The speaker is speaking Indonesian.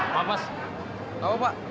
pak mes tahu pak